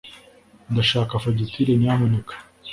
ndashaka fagitire nyamuneka